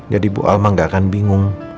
jadi ibu alma gak akan bingung